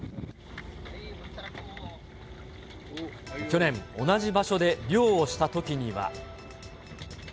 去年、同じ場所で漁をしたときには。